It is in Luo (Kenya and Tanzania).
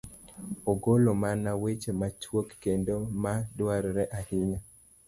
ogolo mana weche machuok kendo ma dwarore ahinya?